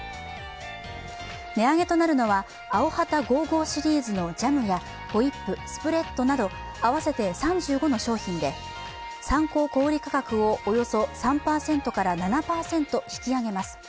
値上げとなるのはアヲハタ５５シリーズのジャムやホイップ・スプレッドなど合わせて３５の商品で参考小売価格をおよそ３％から７％引き上げます。